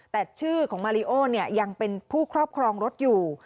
แต่ชื่อของมาริโอยังเป็นผู้ครอบครองรถอยู่